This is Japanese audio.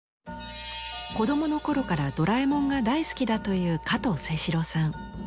子どものころから「ドラえもん」が大好きだという加藤清史郎さん。